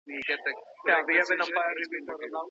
عینو مېنه زړه نه ده.